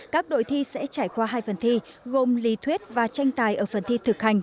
các đội thi sẽ trải qua hai phần thi gồm lý thuyết và tranh tài ở phần thi thực hành